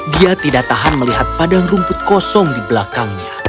dia tidak tahan melihat padang rumput kosong di belakangnya